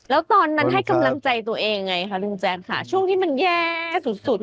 แล้วตอนนั้นให้กำลังใจตัวเองไงคะลุงแจ๊คค่ะช่วงที่มันแย่สุด